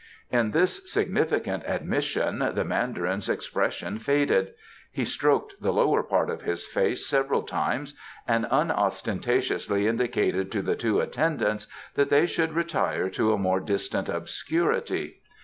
At this significant admission the Mandarin's expression faded; he stroked the lower part of his face several times and unostentatiously indicated to the two attendants that they should retire to a more distant obscurity.